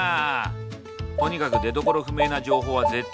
とにかく出どころ不明な情報は絶対に拡散しない。